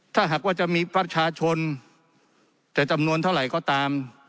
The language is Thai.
ถ้าหากว่าจะมีประชาชนจะจำนวนเท่าไหร่ก็ตาม